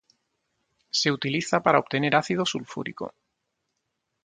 Se utiliza para obtener ácido sulfúrico.